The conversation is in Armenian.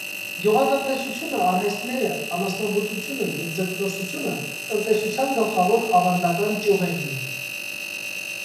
Գյուղատնտեսությունը, արհեստները, անասնաբուծությունը և ձկնորսությունը տնտեսության գլխավոր ավանդական ճյուղերն են։